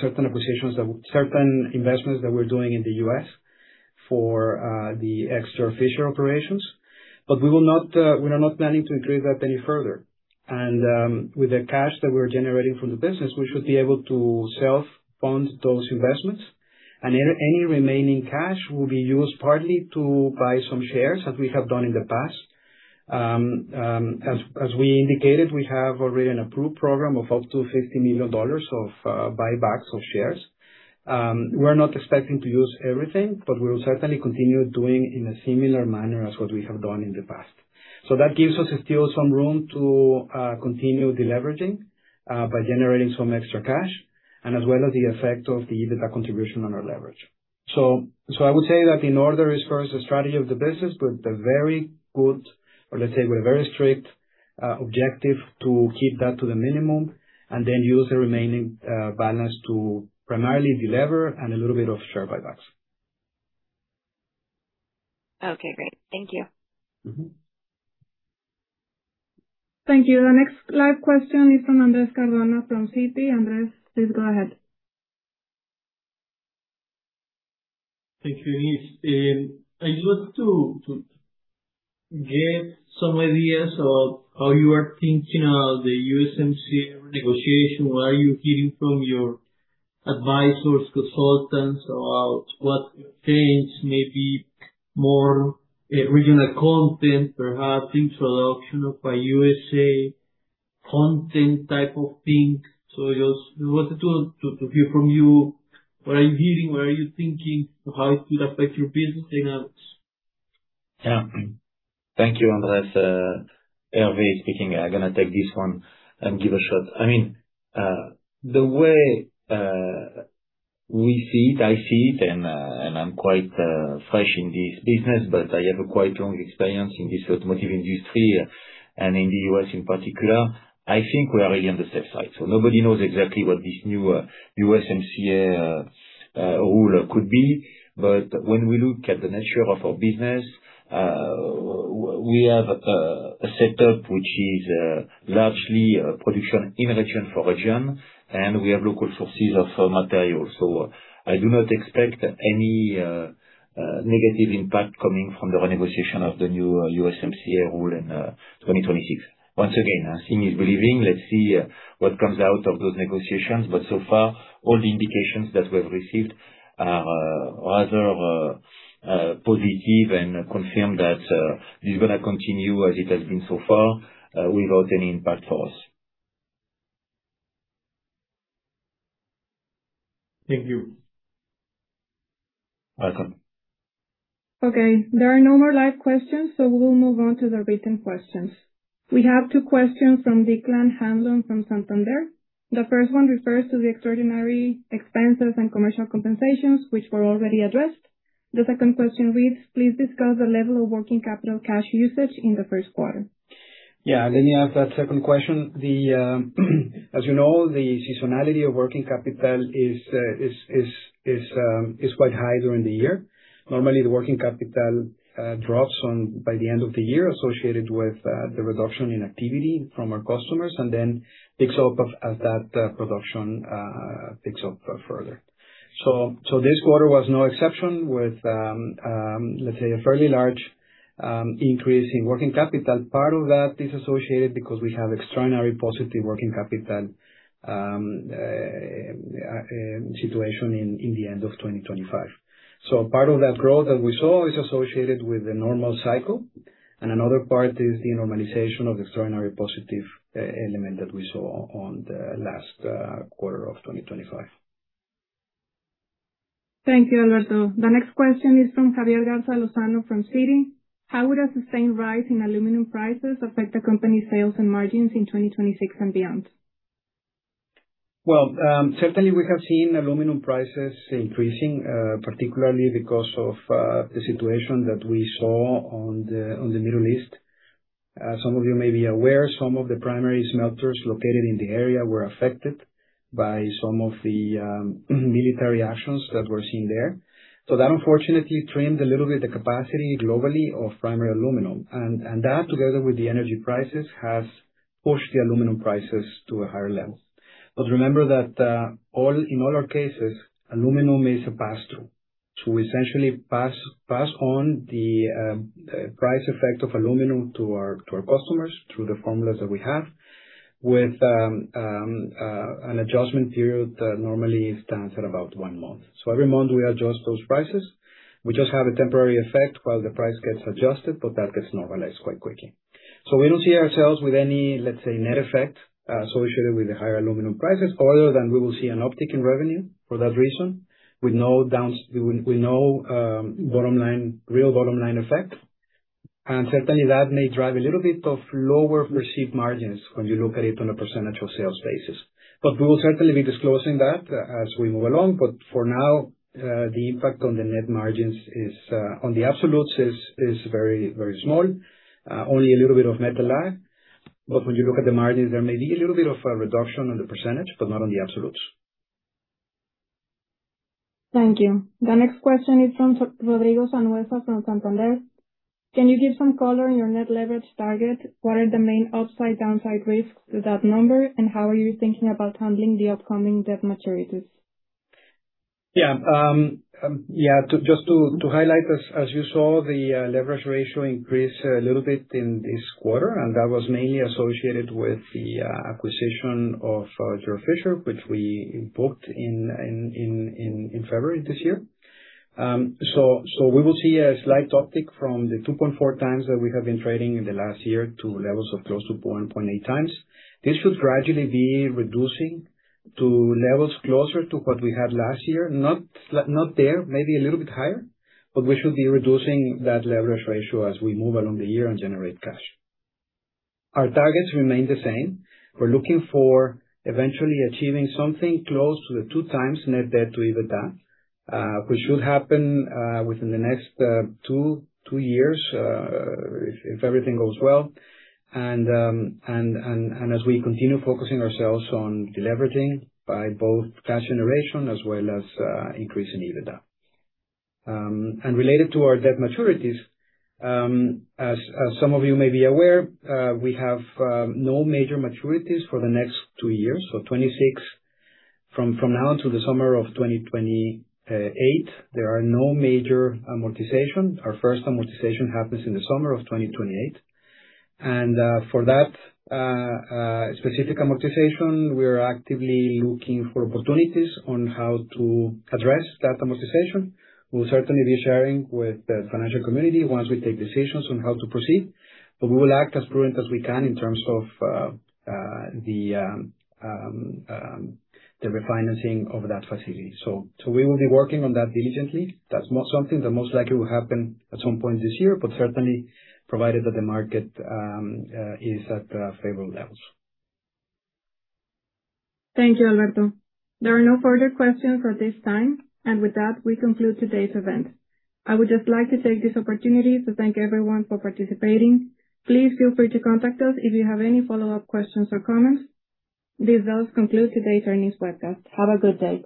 certain acquisitions, certain investments that we're doing in the U.S. for the extra Fischer operations. We are not planning to increase that any further. With the cash that we're generating from the business, we should be able to self-fund those investments, and any remaining cash will be used partly to buy some shares, as we have done in the past. As we indicated, we have already an approved program of up to $50 million of buybacks of shares. We're not expecting to use everything, but we will certainly continue doing in a similar manner as what we have done in the past. That gives us still some room to continue deleveraging, by generating some extra cash, and as well as the effect of the EBITDA contribution on our leverage. I would say that in order is first the strategy of the business with a very good, or let's say with a very strict objective to keep that to the minimum, and then use the remaining balance to primarily delever and a little bit of share buybacks. Okay, great. Thank you. Mm-hmm. Thank you. The next live question is from Andrés Cardona from Citi. Andrés, please go ahead. Thank you, Denise. I just want to get some ideas of how you are thinking of the USMCA negotiation. What are you hearing from your advisors, consultants about what change, maybe more regional content, perhaps introduction of Buy USA content type of thing. I just wanted to hear from you, what are you hearing? What are you thinking? How it could affect your business in the U.S.? Yeah. Thank you, Andrés. Hervé speaking. I'm gonna take this one and give a shot. The way we see it, I see it, and I'm quite fresh in this business, but I have a quite long experience in this automotive industry and in the U.S. in particular. I think we are really on the safe side. Nobody knows exactly what this new USMCA rule could be. When we look at the nature of our business, we have a setup which is largely production in region for region, and we have local sources for material. I do not expect any negative impact coming from the renegotiation of the new USMCA rule in 2026. Once again, seeing is believing. Let's see what comes out of those negotiations. So far, all the indications that we've received are rather positive and confirm that this is gonna continue as it has been so far without any impact for us. Thank you. Welcome. Okay. There are no more live questions, so we'll move on to the written questions. We have two questions from Declan Hanlon from Santander. The first one refers to the extraordinary expenses and commercial compensations, which were already addressed. The second question reads: Please discuss the level of working capital cash usage in the first quarter. Yeah. Let me answer that second question. As you know, the seasonality of working capital is quite high during the year. Normally, the working capital drops by the end of the year associated with the reduction in activity from our customers and then picks up as that production picks up further. This quarter was no exception with, let's say, a fairly large increase in working capital. Part of that is associated because we have extraordinary positive working capital situation in the end of 2025. Part of that growth that we saw is associated with the normal cycle, and another part is the normalization of extraordinary positive element that we saw on the last quarter of 2025. Thank you, Alberto. The next question is from Javier Garza-Lozano from Citi. How would a sustained rise in aluminum prices affect the company's sales and margins in 2026 and beyond? Well, certainly we have seen aluminum prices increasing, particularly because of the situation that we saw in the Middle East. Some of you may be aware, some of the primary smelters located in the area were affected by some of the military actions that were seen there. That, unfortunately, trimmed a little bit the capacity globally of primary aluminum. That, together with the energy prices, has pushed the aluminum prices to a higher level. Remember that in all our cases, aluminum is a pass-through. Essentially pass on the price effect of aluminum to our customers through the formulas that we have with an adjustment period that normally stands at about one month. Every month we adjust those prices. We just have a temporary effect while the price gets adjusted, but that gets normalized quite quickly. We don't see ourselves with any, let's say, net effect associated with the higher aluminum prices other than we will see an uptick in revenue for that reason with no real bottom-line effect. Certainly that may drive a little bit of lower received margins when you look at it on a percentage of sales basis. We will certainly be disclosing that as we move along. For now, the impact on the net margins on the absolutes is very, very small. Only a little bit of net delta. When you look at the margins, there may be a little bit of a reduction on the percentage, but not on the absolutes. Thank you. The next question is from Rodrigo Sanhueza from Santander. Can you give some color on your net leverage target? What are the main upside, downside risks to that number, and how are you thinking about handling the upcoming debt maturities? Yeah. Just to highlight, as you saw, the leverage ratio increased a little bit in this quarter, and that was mainly associated with the acquisition of Georg Fischer, which we booked in February this year. We will see a slight uptick from the 2.4x that we have been trading in the last year to levels of close to 1.8x. This should gradually be reducing to levels closer to what we had last year. Not there, maybe a little bit higher, but we should be reducing that leverage ratio as we move along the year and generate cash. Our targets remain the same. We're looking for eventually achieving something close to the 2x net debt to EBITDA, which should happen within the next two years if everything goes well, and as we continue focusing ourselves on deleveraging by both cash generation as well as increasing EBITDA. Related to our debt maturities, as some of you may be aware, we have no major maturities for the next two years, 2026. From now to the summer of 2028, there are no major amortization. Our first amortization happens in the summer of 2028. For that specific amortization, we are actively looking for opportunities on how to address that amortization. We'll certainly be sharing with the financial community once we take decisions on how to proceed, but we will act as prudent as we can in terms of the refinancing of that facility. We will be working on that diligently. That's something that most likely will happen at some point this year, but certainly provided that the market is at favorable levels. Thank you, Alberto. There are no further questions at this time. With that, we conclude today's event. I would just like to take this opportunity to thank everyone for participating. Please feel free to contact us if you have any follow-up questions or comments. This does conclude today's earnings webcast. Have a good day.